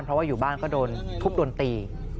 เพราะว่าอยู่บ้านก็โดนทุบโดนตี